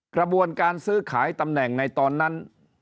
กระบวนการซื้อขายตำแหน่งในตอนนั้น